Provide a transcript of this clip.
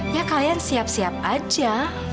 ya kalian siap siap aja